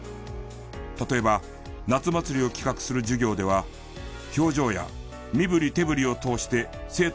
例えば夏祭りを企画する授業では表情や身ぶり手ぶりを通して生徒だけで運営した。